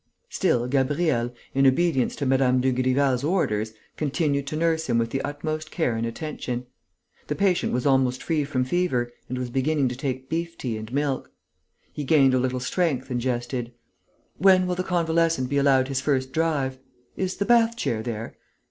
Still, Gabriel, in obedience to Mme. Dugrival's orders, continued to nurse him with the utmost care and attention. The patient was almost free from fever and was beginning to take beef tea and milk. He gained a little strength and jested: "When will the convalescent be allowed his first drive? Is the bath chair there?